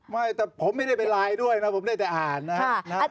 ไม่แต่ผมไม่ได้ไปไลน์ด้วยนะผมได้แต่อ่านนะครับ